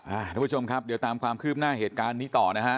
ทุกผู้ชมครับเดี๋ยวตามความคืบหน้าเหตุการณ์นี้ต่อนะฮะ